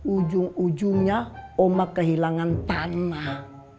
ujung ujungnya oma kehilangan tanah